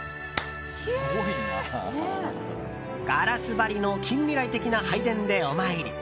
ガラス張りの近未来的な拝殿でお参り。